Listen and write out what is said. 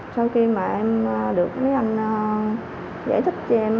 sau khi mà em được mấy anh giải thích cho em